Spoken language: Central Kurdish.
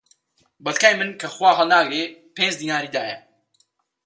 بە تکای من کە خوا هەڵناگرێ، پێنج دیناری دایە